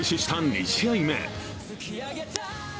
２試合目。